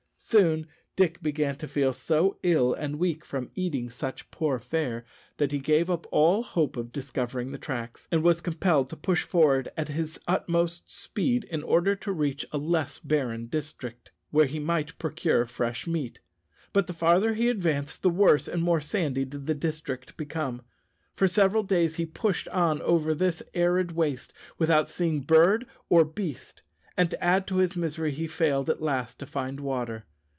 Soon Dick began to feel so ill and weak from eating such poor fare, that he gave up all hope of discovering the tracks, and was compelled to push forward at his utmost speed in order to reach a less barren district, where he might procure fresh meat; but the farther he advanced the worse and more sandy did the district become. For several days he pushed on over this arid waste without seeing bird or beast, and, to add to his misery, he failed at last to find water.